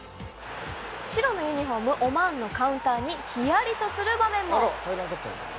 白のユニホーム、オマーンのカウンターにひやりとする場面も。